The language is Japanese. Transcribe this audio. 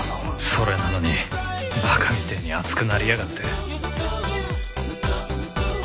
それなのに馬鹿みてえに熱くなりやがって